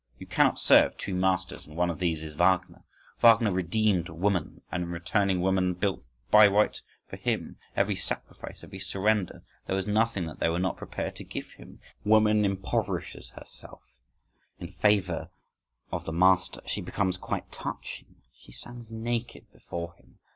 You cannot serve two Masters when one of these is Wagner. Wagner redeemed woman; and in return woman built Bayreuth for him. Every sacrifice, every surrender: there was nothing that they were not prepared to give him. Woman impoverishes herself in favour of the Master, she becomes quite touching, she stands naked before him.